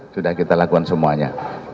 sudah kita lakukan semua